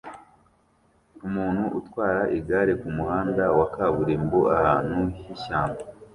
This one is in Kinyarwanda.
Umuntu utwara igare kumuhanda wa kaburimbo ahantu h'ishyamba